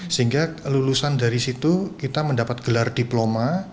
sehingga lulusan dari situ kita mendapat gelar diploma